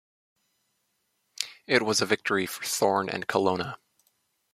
It was a victory for Thorn and Colonna.